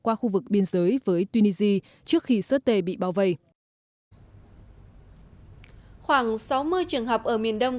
qua khu vực biên giới với tunisia trước khi setes bị bao vây khoảng sáu mươi trường học ở miền đông